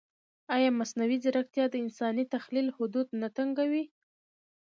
ایا مصنوعي ځیرکتیا د انساني تخیل حدود نه تنګوي؟